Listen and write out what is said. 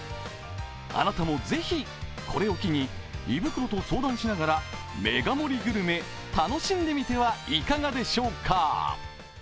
あなたも是非、これを機に胃袋と相談しながらメガ盛りグルメ、楽しんでみてはいかがでしょうか。